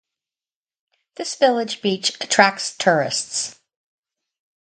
This village beach attracts tourists.